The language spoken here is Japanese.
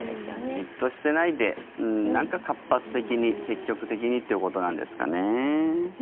じっとしてないでなんか活発的に積極的にってことなんですかね。